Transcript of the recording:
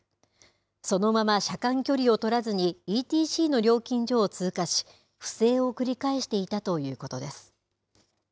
そのまま車間距離を取らずにＥＴＣの料金所を通過し、不正を繰り返していたということです。